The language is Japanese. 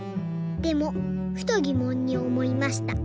でもふとぎもんにおもいました。